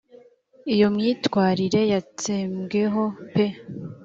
iyo myitwarire yatsembweho pe.